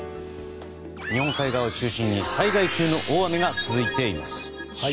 日本海側を中心に災害級の大雨が続いています。